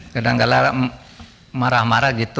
kadang kadang marah marah gitu